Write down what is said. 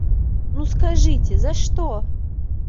Ну, скажыце, за што?